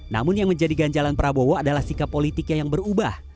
namun yang menjadi ganjalan prabowo adalah sikap politiknya yang berubah